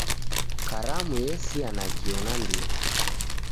Karamu esia nakio nandighi.